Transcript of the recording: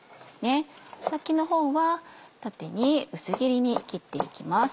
穂先の方は縦に薄切りに切っていきます。